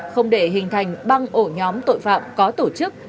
không để hình thành băng ổ nhóm tội phạm có tổ chức